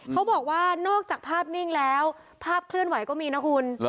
เขาบอกว่านอกจากภาพนิ่งแล้วภาพเคลื่อนไหวก็มีนะคุณ